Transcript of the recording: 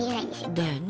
だよね。